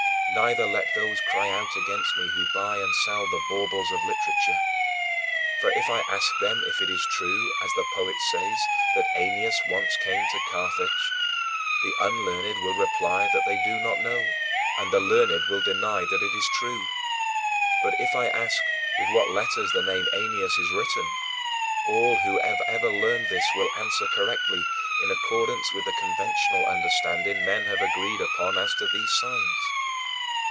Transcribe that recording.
Neither let those cry out against me who buy and sell the baubles of literature. For if I ask them if it is true, as the poet says, that Aeneas once came to Carthage, the unlearned will reply that they do not know and the learned will deny that it is true. But if I ask with what letters the name Aeneas is written, all who have ever learned this will answer correctly, in accordance with the conventional understanding men have agreed upon as to these signs.